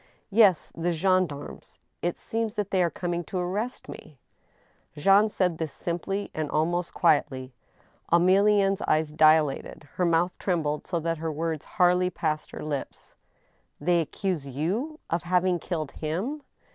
" Yes — ^the gendarmes. It seems that they are coming to arrest me." Jean said this simply and almost quietly. Emilienne's eyes dilated. Her mouth trembled so that her words hardly passed her lips. '" They accuse ^^ti^ ... of having killed him